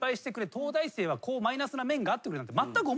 東大生はこうマイナスな面があってくれなんてまったく思ってないと。